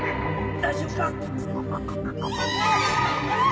大丈夫か！？